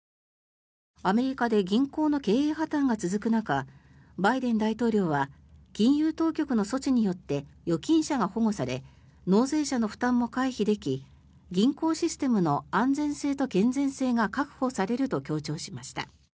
アメリカで銀行の経営破たんが続く中バイデン大統領は金融当局の措置によって預金者が保護され納税者の負担も回避でき銀行システムの安全性と健全性が確保されると強調しました。